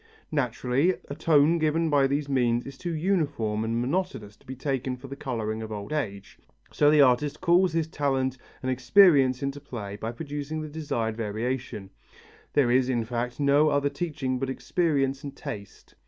Naturally, a tone given by these means is too uniform and monotonous to be taken for the colouring of old age, so the artist calls his talent and experience into play to produce the desired variation; there is, in fact, no other teaching but experience and taste.